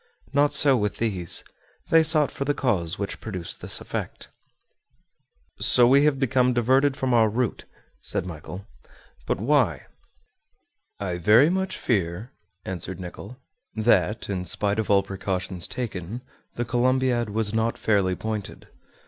Not so with these; they sought for the cause which produced this effect. "So we have become diverted from our route," said Michel; "but why?" "I very much fear," answered Nicholl, "that, in spite of all precautions taken, the Columbiad was not fairly pointed.